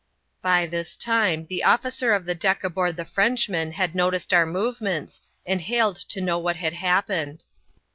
By this time the officer of the dedt aboard the Frenchman had noticed our movements, and hailed to know what had happened.